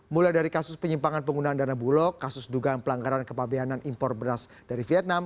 mulai dari kasus penyimpangan penggunaan dana bulog kasus dugaan pelanggaran kepabianan impor beras dari vietnam